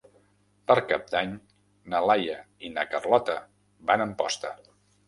Per Cap d'Any na Laia i na Carlota van a Amposta.